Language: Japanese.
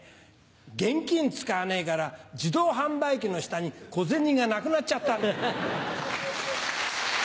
現金使わないから自動販売機の下に小銭がなくなっちゃったんだよ。